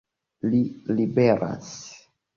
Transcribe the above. Li liberas!